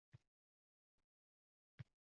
Archani qishning birinchi kunidayoq yasatdik